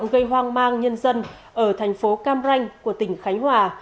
các đối tượng gây hoang mang nhân dân ở thành phố cam ranh của tỉnh khánh hòa